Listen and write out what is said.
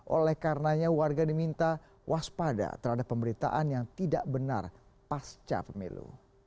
oleh karenanya warga diminta waspada terhadap pemberitaan yang tidak benar pasca pemilu